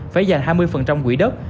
phải dành hai mươi quỹ đất